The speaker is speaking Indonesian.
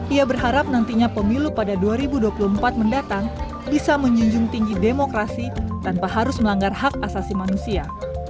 ia berharap nantinya pemilu pada dua ribu dua puluh empat mendatang bisa menjunjung tinggi demokrasi tanpa harus melanggar hak asasi manusia